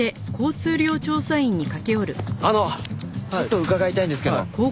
あのちょっと伺いたいんですけど。